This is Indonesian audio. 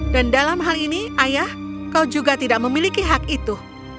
dan dalam hal ini ayah kau juga tidak memiliki hak itu